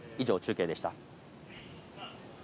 以上、中継でした。